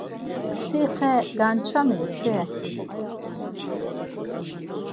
Si xe gançamins-i?